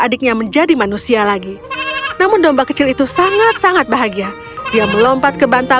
adiknya menjadi manusia lagi namun domba kecil itu sangat sangat bahagia dia melompat ke bantal